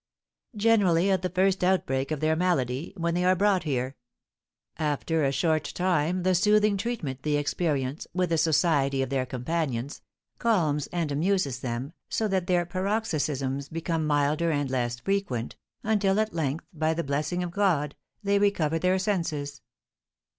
"Generally at the first outbreak of their malady, when they are brought here. After a short time the soothing treatment they experience, with the society of their companions, calms and amuses them, so that their paroxysms become milder and less frequent, until at length, by the blessing of God, they recover their senses."